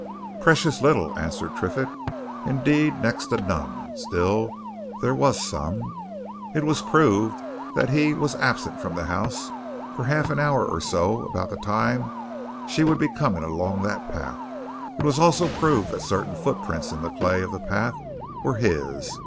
"Precious little!" answered Triffitt. "Indeed next to none. Still, there was some. It was proved that he was absent from the house for half an hour or so about the time that she would be coming along that path; it was also proved that certain footprints in the clay of the path were his.